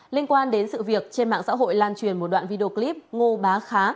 liên quan đến sự việc trên mạng xã hội lan truyền một đoạn video clip ngô bá khá